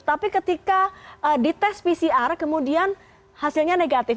tapi ketika dites pcr kemudian hasilnya negatif